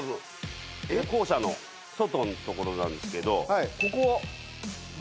校舎の外のところなんですけどここ。